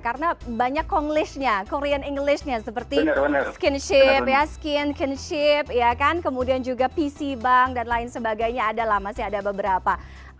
karena banyak konglishnya korean englishnya seperti skinship skin kinship kemudian juga pc bank dan lain sebagainya adalah masih ada beberapa